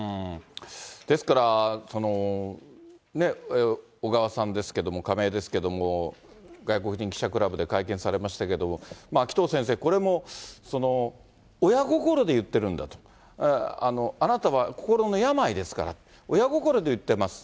ですから、小川さんですけれども、仮名ですけども、外国人記者クラブで会見されましたけれども、紀藤先生、これも親心で言ってるんだと、あなたは心の病ですから、親心で言ってます。